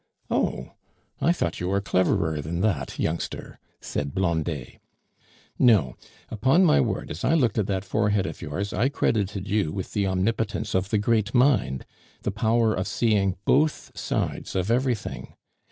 "Oh! I thought you were cleverer than that, youngster," said Blondet. "No. Upon my word, as I looked at that forehead of yours, I credited you with the omnipotence of the great mind the power of seeing both sides of everything.